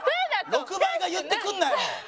６倍が言ってくんなよ！